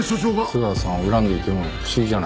津川さんを恨んでいても不思議じゃない。